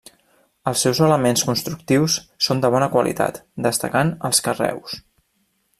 Els seus elements constructius són de bona qualitat, destacant els carreus.